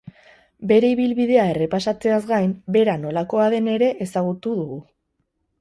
Bere ibilbidea errepasatzeaz gain, bera nolakoa den ere ezagutu dugu.